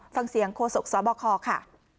ฟังเสียงโฆษกสบคค่ะ